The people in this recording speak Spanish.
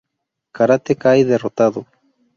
Karate cae derrotado.